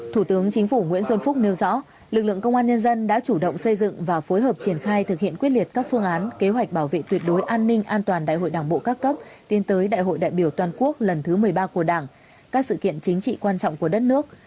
thủ tướng chính phủ nguyễn xuân phúc nêu rõ lực lượng công an nhân dân đã chủ động xây dựng và phối hợp triển khai thực hiện quyết liệt các phương án kế hoạch bảo vệ tuyệt đối an ninh an toàn đại hội đảng bộ các cấp tiến tới đại hội đại biểu toàn quốc lần thứ một mươi ba của đảng các sự kiện chính trị quan trọng của đất nước